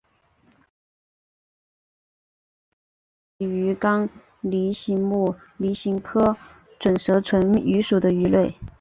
细身准舌唇鱼为辐鳍鱼纲鲤形目鲤科准舌唇鱼属的鱼类。